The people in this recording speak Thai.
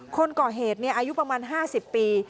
คนก่อเหตุอายุประมาณ๕๐ปี